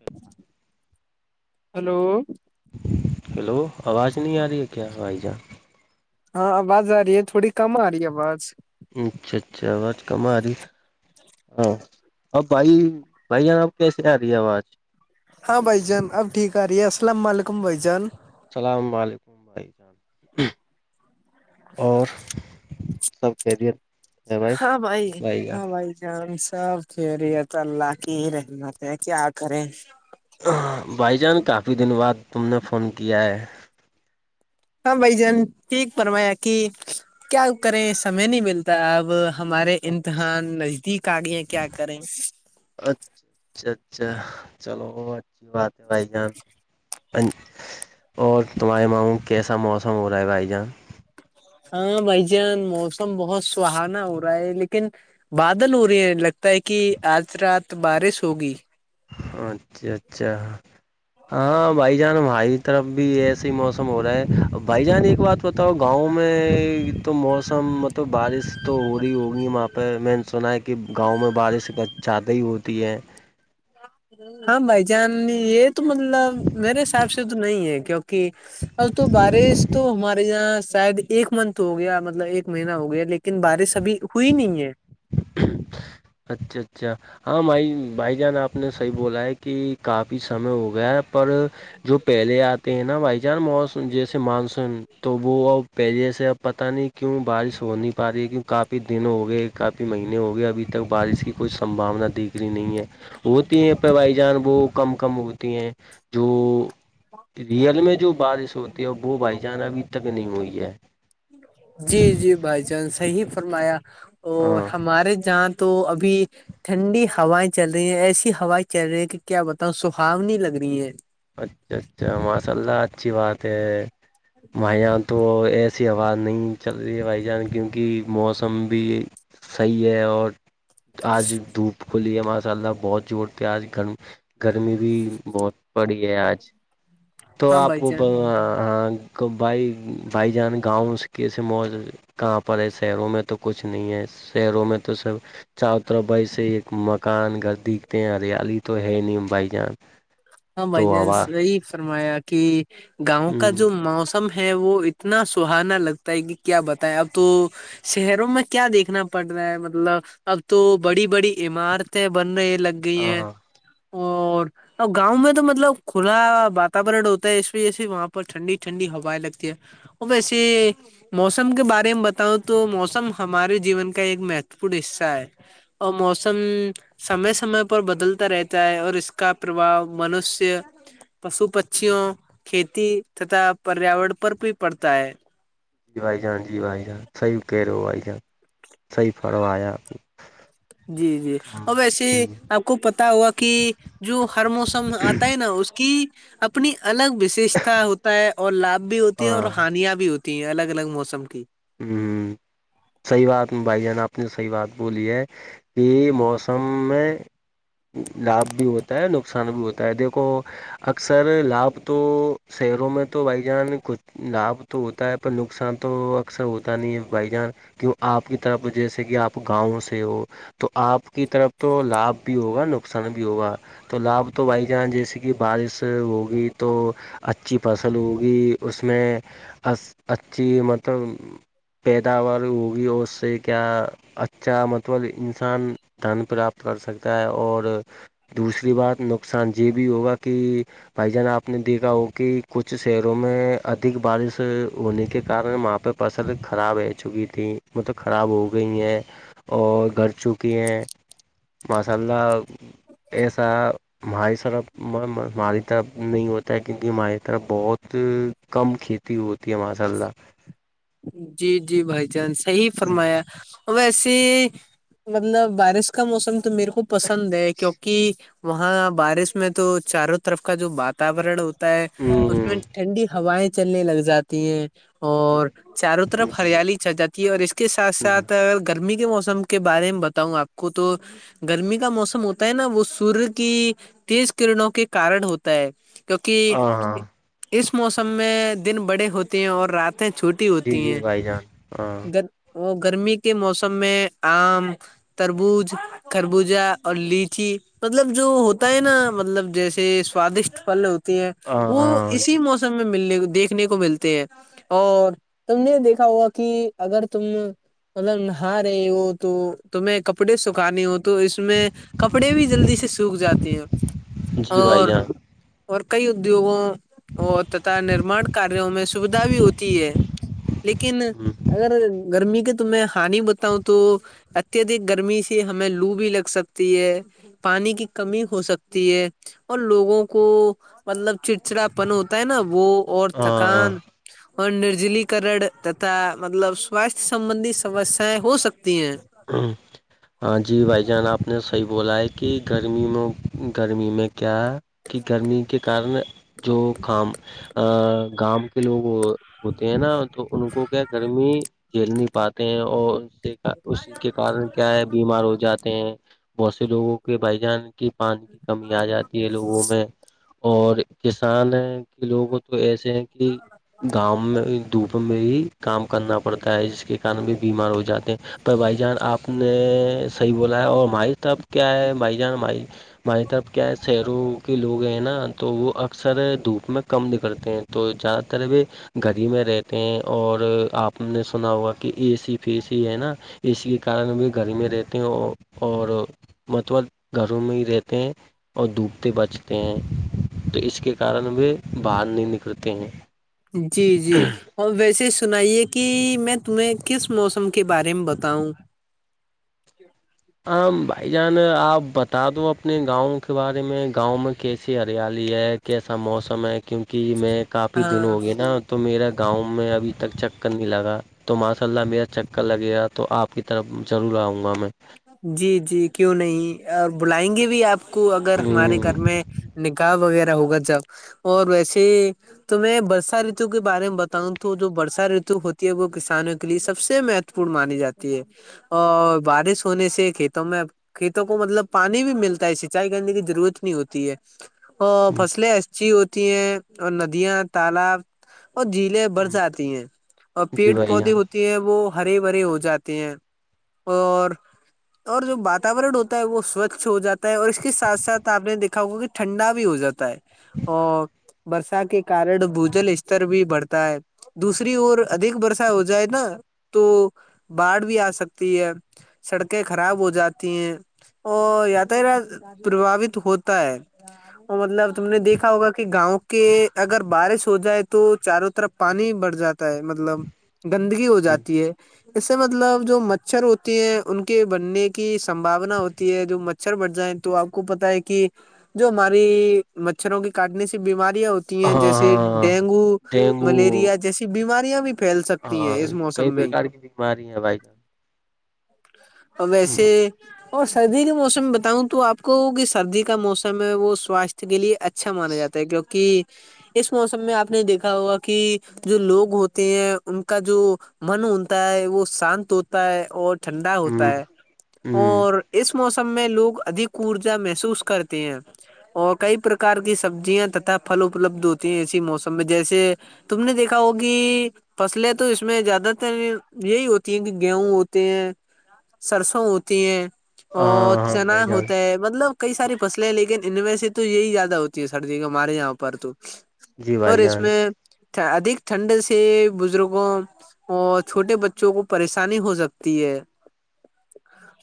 اچ hello, hello آواز نہیں آ رہی ہے کیا وائی جان? ہاں آواز آ رہی ہے تھوڑی کم آ رہی ہے آواز- اچھا-اچھا آوج کم رہاری- ہاں اب بھائی بھائیان اب کیسے آ رہی ہے آواز- ہاں بھائی جان اب ٹھیک آ رہی ہے السلام علیکم بھائی جان- السلام علیکم بھائی جان، اور- سب کہہ دے- ہاں بھائی- ہاں بھائی- ہم سب خھیری ہےت اللہ کی ہی رحمت ہے کیا کریں- بھائی جان کافی دن بعد تم نے فون کیا ہے- ہاں بھ جان ٹھیک فرمایا کہ کیا کریں سمے نہیں ملتا اب ہمارے امتحان نزدیک آگیا کیا کریں- اچھا-اچھا-اچھا چلو وہ اچھی بات ہے بھائی جان- اور تمارے ماوں کیسا موسم ہو رہا ہے بھائی جان- ہاں بھائی جان موسم بہت سہانا ہو رہا ہے لیکن بادل ہو رہی ہیں لگتا ہے کہ آج رات بارش ہوگی- اچھا-اچھا ہاں بھائی جان ہماری طرف بھی ایسے ہی موسم ہو رہا ہے بھائی جان ایک بات بتاؤ گاؤں میں تو موسم مطلب بارش تو ہو رہی ہوگی وہاںہ- پ میں نے سنا ہے کہ گاؤں میں بارش کا زیادہ ہی ہوتی ہے- ہاں بھائی جان یہ تو مطلب میرے حساب سے تو نہیں ہے کیکہ کہ اب تو بارش تو ہمارے یہاں شاید ایک منت تو ہو گیا مطلب ایک مہینہ ہو گیا لیکن بارش ابھی ہوئی نہیں ہے اچھا اچھا ہاں بھائی بھائی جان آپ نے صحیح بولا ہے کہ کافی سمے ہو گیا ہے پر جو پہلے آتے ہیں نا بائی چانس موس جیسے مانسون تو وہ ا پہلے سے اب پتا نہیں کیوں بارش ہو نہیں پا رہی ہے کیوں کافی دن ہو گئے مہینے ہو گئے ابھی تک بارش کی کوئی سمباونا دیکھ رہی نہیں ہے ہوتی ہے پ بائی جان وہ کم کم ہوتی ہیں جو ریئل میں جو بارش ہوتی ہے وہ بھائی جان ابھی تک نہیں ہوئی ہے جی جی بھائی جان صحیح فرمایا اور ہاں ہمارے جہاں تو ابھی ٹھنڈی ہوائیں چل رہی ہیں ایسی ہوائیں چل رہی ہیں کہ کیا بتاؤں سہاونی لگ رہی ہیں اچھا اچھا ماشاء اللہ اچھی بات ہے مہ تو ایسی ہوا نہیں چل رہی ہے بھائی جان کیونکہ موسم بھی صحیح ہے اور آج دھوپ کو لی ہے ماشاء اللہ بہت جوورتے آج گن گرمی بھی بہت پڑی ہے آج تو ہاں آپ بھائی جان کو بھائی بھائی جان گاؤں کیسے موج کہاں پر ہے شہروں میں تو کچھ نہیں ہے شہروں میں تو سب چ تربائی سے ایک مکان گھر دیککھتے ہیں ہریالی تو ہے نہیں بھائی جان ہاں بھائی تو جان ہوا صی فرمایا کہ گاؤں ہ کا جو موس کم ہے وہ اتنا سہانا لگتا ہے کہ کیا بتائے اب تو شہروں میں کیا دیکھنا پڑ رہا ہے مطلب اب تو بڑی بڑی عمارتیں بننے لگ گئی ہیں ہاں اور اور گاؤں میں تو مطلب کھلا وااتورن ہوتا ہے اس وجہ سے وہاں پر ٹھنڈی ٹھنڈی ہوائیں لگتی ہے وہ بیسی موسم کے بارے میں بتاؤں تو موسم ہمارے جیون کا ایک مہتوپورن حصہ ہے اور موسم سمے سمے پر بدلتا رہتا ہے اور اس کا پرباؤ منشیہ پشو پھھیوں کھیتی تتا پریاورن پر بھی پڑتا ہے ج بھائی جان جی بھائی جان صی کہرو بھائی جان سی فروایا جی جی اور ویسے آپ کو پتا ہوا کہ جو ہر موسم آتا ہے نا اس کی اپنی الگ وششتا ہوتا ہے اور لابھ بھی ہ ہوتی ہے اور ہانیاں بھی ہوتی ت الگ الگ موسم کی ہوں صحیح بات بھائی جان آپ نے صحیح بات بولی ہے کہ موسم میں لابھ بھی ہوتا ہے نقصان بھی ہوتا ہے دیکھو اکثر لابھ تو شہروں میں تو بھائی جان کچھ لابھ تو ہوتا ہے پر نقصان تو اکثر ہوتا نہیں ہے بائی جانس کیوں آپ کی طرف جیسے کہ آپ گاؤں سے ہو تو آپ کی طرف تو لابھ بھی ہوگا نقصان بھی ہوگا تو لابھ تو بائی چانس جیسے کہ بارش ہوگی تو اچھی فصل ہوگی ا میں ا اچھی مطلب پیداوار ہوگی اور سے کیا اچھا مطلب انسان دھن پراپت کر سکتا ہے اور دوسری بات نقصان یہ بھی ہوگا کہ- بھائی جان آپ نے دیکھا ہو کہ کچھ شہروں میں ادھک بارش ہونے کے کار آپ- پہ فصل خراب رہ چکی تھی وہ توب خراب ہو گئی ہے- اور گھر چوکی ہیں ماشاء اللہ- ایسا مائی سرپ ہماری طرف نہیں ہوتا ہے کیونکہ ہماری طرف بہت کم کھیتی- ہوتی ہے ماشاء اللہ- جی-جی بھائی جان صحی فرمایا اور ویسے مطلب بارش کا موسم تو میرے کو پسند ہے کیونکہ- وہاں بارش میں تو چاروں طرف کا جو وااتاورن- ہوتا ہے اس میں ہ ٹھنڈی ہوائیں چلنے لگ جاتی ہیں- ٹھیک اور ہے چاروں طرف ہریالی چل جاتی ہے اور اس کے ساتھ ساتھ- اگر گرمی کے موسم کے بارے میں بتاؤں آپ کو تو- گرمی کا موسم ہوتا ہے نا وہ سور کی تیز کررنوں کے کارن ہوتا ہے- کیونکہ ہاں ہاں اس موسم میں دن بڑے ہوتے ہیں اور راتیں چھوٹ- جی ہوتی جی ہیں بھائی جان ہاں وہ گرمی کے موسم میں آم تربوز خربوزہ اور لیچی مطلب جو ہوتا ہے نا مطلب جیسے- سوادیشٹ پھل ہیں ہاں وہ ہاں اسی جی موسم میں ملنے دیکھنے کو ملتے ہیں اور- تم نے دیکھا ہوا کہ اگر تم- مطلب نہا رہے وہ تو تمہیں کپڑے سکھانے ہو- تو اس میں کپڑے بھی جلدی سے سوکھ جاتے ہیں جی بھائی اور- جان اور کئی ادیوگوں اور تتا نرمان کاریوں میں سویدھا بھی ہوتی ہے- لیکن ہ اگر گرمی کے تم ہانی بتا- تا ہوں تو اتیہدھک گرمی سے ہمیں لو بھی لگ سکتی ہے- پانی کی کمی ہو سکتی ہے- اور لوگوں کو مطلب چڑچڑاپن ہوتا ہے نا وہ- اور ہاں تھکان اور نرجلگ کر تا مطلب سواستھ سمبندی سمسیایں ہو سکتی ہیں- ہاں جی بھائی جان آپ نے صحیح بولا ہے کہ گرمی میں گرمی میں کیا کہ گرمی کے کارن جو کام ا گاؤں کے لوگ ہوتے ہیں نا تو ان کو کیا گرمی- کھیل نہیں پاتے ہیں اور ان سے اسی کے کارن کیا ہے بیمار ہو جاتے ہیں بہت سے لوگوں کے بھائی جان کی- پانی کی کمی آ جاتی ہے لوگوں میں- اور کسان کے لوگوں تو ایسے ہیں کہ گاؤں میں دھوپ میں ہی کام کرنا پڑتا ہے جس کے کن بھی بیمار ہو جاتے ہیں- پر بھائی جان آپ نے صحیح بولا ہے اور مائی تب کیا ہے بھائی جان مائی- ہماری طرف کیا ہے شہروں کے لوگ ہیں نا تو وہ اکثر دھوپ میں کم نکھتے ہیں- تو جہد تر ا بھی گڑی میں رہتے ہیں اور آپ نے سنا ہوا کہ اے سی فی سی ہے نا- اس کے کارن بھی گھر میں رہتے ہیں اور متبہ گھروں میں ہی رہتے ہیں اور ڈوبتے بچتے ہیں- تو اس کے کارن وہ باہر نہیں نکلتے ہیں- جی جی اور ویسے سنائیے کہ میں تمہیں کس موسم کے بارے میں بتاؤں ہ بھائی جان آپ بتا دو اپنے گاؤں کے بارے میں گاؤں میں کیسی ہریالی ہے کیسا موسم ہے کیونکہ میں کافی دن ہاں ہو گیا نا تو میرا گاؤں میں ابھی تک چکر نہیں لگا تو ماشاء اللہ میرا چکر لگے گا تو آپ کی طرف ضرور آؤں گا میں جی جی کیوں نہیں اور بلائیں گے بھی آپ کو اگر ہمارے گھر میں نکاح وغیرہ ہوگا جب اور ویسے تو میں برسا رتو کے بارے میں بتاؤں تو جو برسا رتو ہوتی ہے وہ کسانوں کے لیے سب سے م پ مانی جاتی ہے اور بارش سونے سے کھیتوں میں کھیتوں کو مطلب پانی بھی ملتا ہے سینچائی کرنے کی ضرورت نہیں ہوتی ہے ا فسل اچی ہوتی ہیں اور ندیاں تالاب اور جھیلیں برساتی ہیں اور جی پیڑ بھائی پودے ہوتے ہیں وہ ہری بری ہو جاتی ہیں اور اور جو واتاورن ہوتا ہے وہ سوچھ ہو جاتا ہے اور اس کے ساتھ ساتھ آپ نے دیکھ کھاؤ گاک کہ ٹھنڈا بھی ہو جاتا ہے اور برسا کے کارن بھجل استر بھی بڑھتا ہے دوسری اور ادھک برسا ہو جائے نا تو باھ بھی آ سکتی ہے سڑکیں خراب ہو جاتی ہیں اور یاتایات پرباوت ہوتا ہے وہ مطلب تم نے دیکھا ہوگا کہ گاؤں کہ اگر بارش ہو جائے تو چاروں طرف پانی بڑھ جاتا ہے مطلب گندگی ہو جان جاتی ہے اس سے مطلب جو مچھر ہوتے ہیں ان کے بننے کی سمباونا ہوتی ہے جو مچھر بٹھ جائیں تو آپ کو پتا ہے کہ جو ہماری مچھروں کے کاٹنے سی بیمارییاں ہیں ہاں جیسے ہاں ڈینگو ڈینگو ملیریا جیسی بیماریاں بھی پھیل سکتی ہیں اس موسم میں ہی ماری ہیں بائی جان ا ہ بسیی اور سردی کے موسم میں بتاؤں تو آپ کو کہ سردی کا موسم ہے وہ سواستھ کے لیے اچھا اچھا مانا جاتا ہے کیوںکہ اس موسم میں آپ نے دیکھا ہوا کہ جو لوگ ہوتے ہیں ان کا جو من ہوتا ہے وہ شانت ہوتا ہے اور ٹھنڈا ہوتا ہ ہے ہ اور اس موسم میں لوگ ادک ارجا محسوس کرتے ہیں اور کئی پرکار کی سبزیاں تتا پھل اپلبدھ ہوتی ہیں ایسی موسم میں جیسے تم نے دیکھا ہوگی فصلیں تو اس میں زیادہ تر یہی ہوتی ہیں کہ گیہوں ہوتے ہیں سرسوں ہوتی ہیں اور ہاں ہاں چنا بھائی جان ہوتا ہے مطلب کئی ساری فصلیں ہیں لیکن ان میں سے تو یہی زیادہ ہوتی ہے سردی کا مارے یہاں پر تو جی اور بھائی اس جان میں ادھ ٹھنڈ سے بزرگوں اور چھوٹے بچوں کو پریشانی ہو سکتی ہے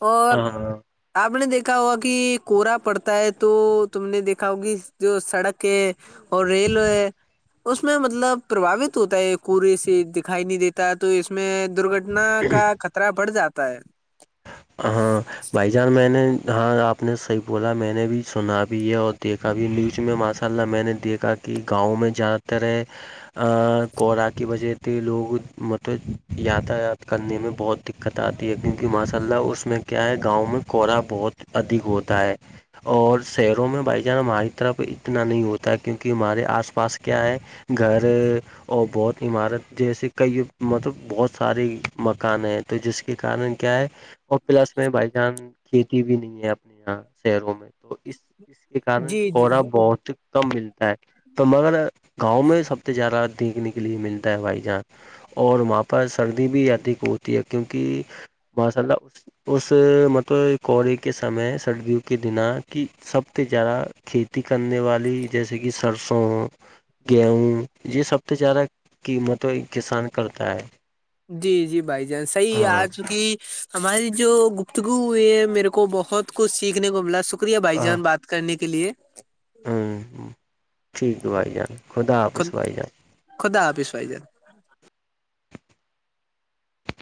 اور ہاں ہاں آپ نے دیکھا ہوا کہ کورا پڑتا ہے تو تم نے دیکھا ہو کہ جو سڑک ہے اور ریل ہے اس میں مطلب پرباوت ہوتا ہے کووری سے دکھائی نہیں دیتا تا تو اس میں درگھٹنا کا خطرہ بڑھ جاتا ہے ہاں بھائی جان میں نے ہاں آپ نے صحیح بولا میں نے بھی سنا بھی ہے اور دیکھ کبھی نیوز میں ماشاء اللہ میں نے دیکھا کہ گاؤں میں ج تر ہے- کوورا کی وجہ سے لوگ مطلب یاتاایات کرنے میں بہت- دقت آتی ہے کیونکہ ماشاء اللہ اس میں کیا ہے گاؤں میں کورا بہت ادھ ہوتا ہے- اور شہروں میں بھائی جان ہماری طرف اتنا نہیں ہوتا ہے کیونکہ ہمارے آس پاس کیا ہے- گھر اور بہت عمارت جیسے کئی مطلب بہت سارے مکان ہیں تو جس کے کارن کیا ہے- اور پلس میں بائی چانس کھیتی بھی نہیں ہے اپنے یہاں شہروں میں- تو اس اس کے کارن جی جی کورا بہت کم ملتا ہے تو مگر- گاؤں میں سب سے زیادہ- دیکھنے کے لیے ملتا ہے بائی جہان اور وہاں پر سردی بھی ادھک ہوتی ہے کیونکہ ماشاء اللہ اس اس مطلب کوورے کے سمے سردیوں کے بنا کہ- سب سے زیادہ کھیتی کرنے والی جیسے کہ سرسوں ہو- گیہوں یہ سب سے زیادہ قیمت کسان کرتا ہے جی-جی بھائی جان صحیح آ ہاں چک کی- ہماری جو گفتگو ہوئی ہے میرے کو بہت کچھ سیکھنے کو ملا شکریہ بھائی جان بات- کرنے کے لیے ہوں ٹھیک ہے بھائی جان خدا خ حافظ بھائی جان- خدا آپیس بائی جان-